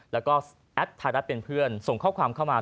แล้วก็แอดไทยรัฐเป็นเพื่อนส่งข้อความเข้ามา